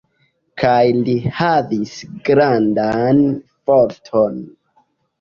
Kaj li havis grandan forton.